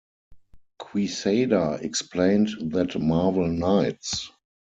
Quesada explained that Marvel Knights...